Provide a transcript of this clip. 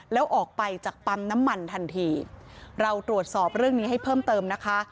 แล้วออกไปจากปั๊มน้ำมันทันทีเราตรวจสอบเรื่องนี้ให้เพิ่มเติมนะคะ